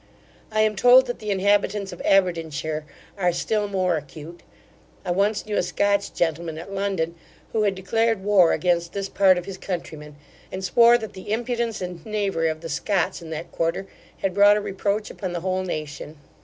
I am told, that the inhabitants of Aberdeenshire are still more acute. I once knew a Scotch gentleman at London, who had declared war against this part of his countrymen; and swore that the impudence and knavery of the Scots, in that quarter, had brought a reproach upon the whole nation.